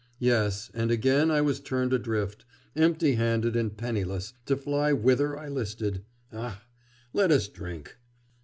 'Yes, and again I was turned adrift, empty handed and penniless, to fly whither I listed. Ah! let us drink!